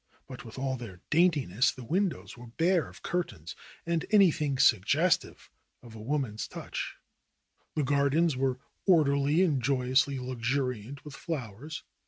But with all their daintiness the win dows were bare of curtains, of an3dhing suggestive of a woman's touch. The gardens were orderly and joyously luxuriant with flowers.